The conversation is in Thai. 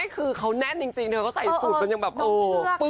คืาเขาแน่นจริงเขาใส่ตรวจกันยังแบบปึกปึกปึก